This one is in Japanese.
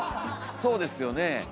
そうですよね。